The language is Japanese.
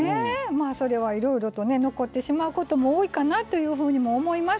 それはいろいろとね残ってしまうことも多いかなというふうにも思います。